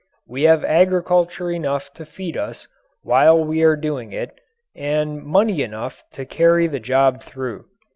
We have agriculture enough to feed us while we are doing it, and money enough to carry the job through.